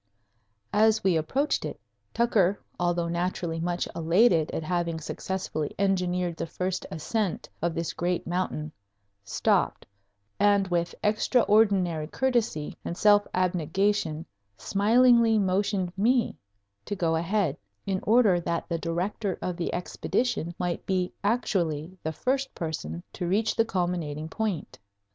As we approached it, Tucker, although naturally much elated at having successfully engineered the first ascent of this great mountain, stopped and with extraordinary courtesy and self abnegation smilingly motioned me to go ahead in order that the director of the Expedition might be actually the first person to reach the culminating point.